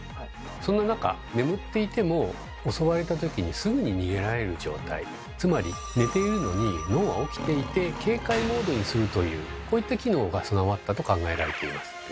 そんな中眠っていても襲われた時にすぐに逃げられる状態つまり寝ているのに脳は起きていて警戒モードにするというこういった機能が備わったと考えられています。